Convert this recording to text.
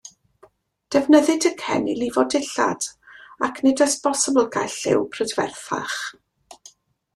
Defnyddid y cen i lifo dillad, ac nid oes bosibl cael lliw prydferthach.